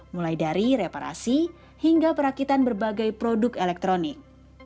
mulai dari reparasi hingga perakitan berbagai produk elektronik